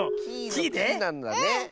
「き」なんだね。